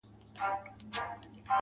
زړه تا دا كيسه شــــــــــروع كــړه.